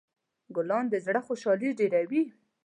ګلان د زړه خوشحالي ډېروي.